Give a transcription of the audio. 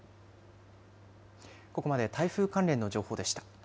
ここまで台風関連の情報でした。